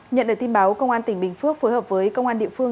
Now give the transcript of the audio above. nhận được tin báo công an tỉnh bình phước phối hợp với công an địa phương